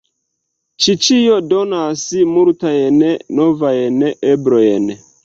Ĉi ĉio donas multajn novajn eblojn.